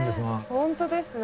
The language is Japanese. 本当ですね。